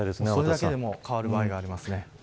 それだけでも変わる場合がありますね。